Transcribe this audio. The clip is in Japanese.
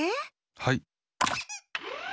はい。